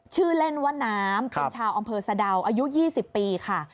ชื่อเล่นว่าน้ำเป็นชาวอำเภอสะดาวอายุ๒๐ปีค่ะ